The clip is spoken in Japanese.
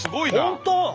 本当！